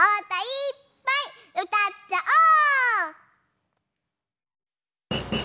いっぱいうたっちゃおう！